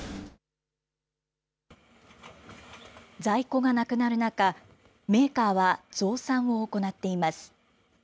在庫がなくなる中、メーカーは増産を行っています。